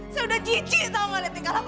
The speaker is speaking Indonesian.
saya udah jijik tau gak lihat tingkah laku kamu